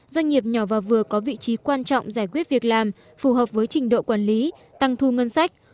doanh nghiệp nhỏ và vừa có vị trí quan trọng giải quyết việc làm phù hợp với trình độ quản lý tăng thu ngân sách